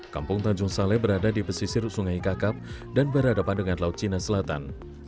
kampung tanjung saleh berada di pesisir sungai kakap dan berhadapan dengan laut cina selatan